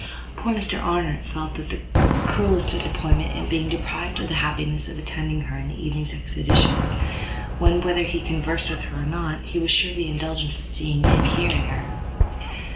Poor Mr Arnott felt the cruellest disappointment in being deprived of the happiness of attending her in her evening's expeditions, when, whether he conversed with her or not, he was sure of the indulgence of seeing and hearing her.